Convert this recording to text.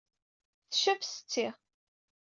Tcab ssetti.